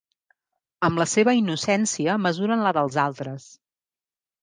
Amb la seva innocència mesuren la dels altres.